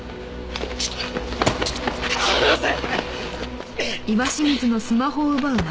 離せ！